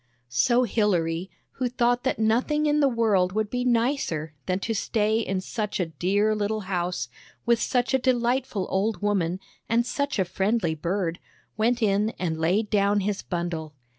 So Hilary, who thought that nothing in the world would be nicer than to stay in such a dear little house with such a delightful old woman and such a friendly 122 THE BAG OF SMILES bird, went in and laid down his bundle.